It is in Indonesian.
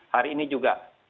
hari ini juga